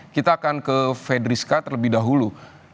kita akan ke fedriska terlebih dahulu